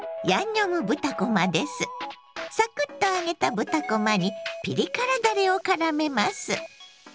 サクッと揚げた豚こまにピリ辛だれをからめます。